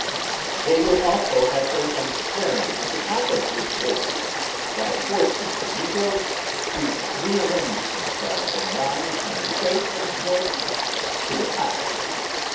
They would also have heard him swearing at the top of his voice, while forcing the negroes to rearrange themselves in line from the base of the fort to the top.